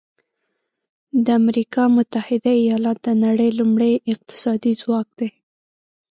د امریکا متحده ایالات د نړۍ لومړی اقتصادي ځواک دی.